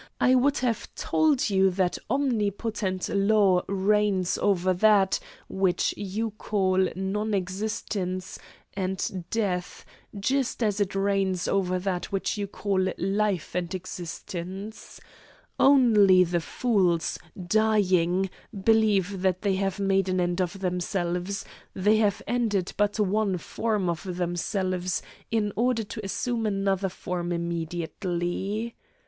I would have told you that omnipotent law reigns over that which you call non existence and death just as it reigns over that which you call life and existence. Only the fools, dying, believe that they have made an end of themselves they have ended but one form of themselves, in order to assume another form immediately.